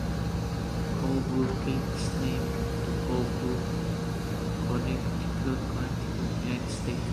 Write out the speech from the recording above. Colebrooke gave its name to Colebrook, Connecticut, United States.